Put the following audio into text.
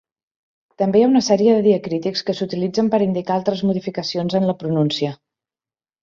També hi ha una sèrie de diacrítics que s'utilitzen per indicar altres modificacions en la pronúncia.